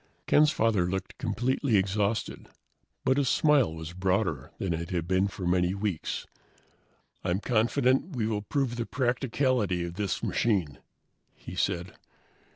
Ken's father looked completely exhausted, but his smile was broader than it had been for many weeks. "I'm confident we will prove the practicability of this machine," he said.